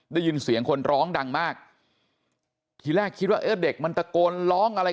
ได้ยินเสียงคนร้องดังมากทีแรกคิดว่าเอ๊ะเด็กมันตะโกนร้องอะไร